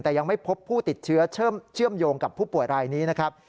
แต่ยังไม่พบผู้ติดเชื้อเชื่อมโยงกับผู้ป่วยรายนี้นะครับ